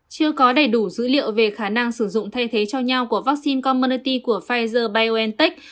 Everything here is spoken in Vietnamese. chưa có đầy đủ dữ liệu về khả năng sử dụng thay thế cho nhau của vaccine commernoty của pfizer biontech